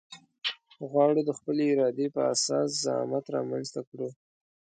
غواړو د خپلې ارادې په اساس زعامت رامنځته کړو.